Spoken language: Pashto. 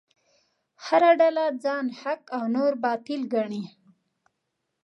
هره ډله ځان حق او نور باطل ګڼي.